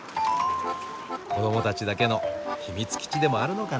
子どもたちだけの秘密基地でもあるのかな。